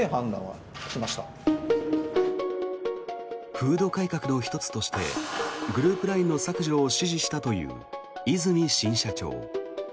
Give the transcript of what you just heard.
風土改革の１つとしてグループＬＩＮＥの削除を指示したという和泉新社長。